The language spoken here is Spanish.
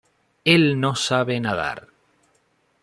Él no sabe nadar.